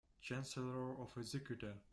Chancellor of the Exchequer